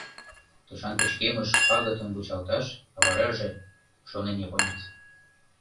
Тышан пычкемыш пагытым вучалташ, а вараже...» — шонен японец.